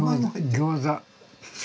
ギョーザ。